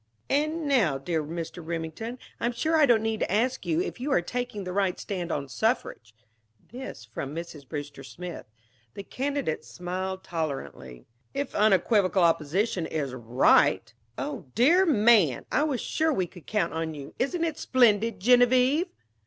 "And now, dear Mr. Remington, I'm sure I don't need to ask you if you are taking the right stand on suffrage." This from Mrs. Brewster Smith. The candidate smiled tolerantly. "If unequivocal opposition is 'right' " "Oh, you dear man! I was sure we could count on you. Isn't it splendid, Geneviève!"